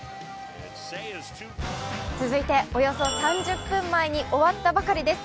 続いておよそ３０分前に終わったばかりです。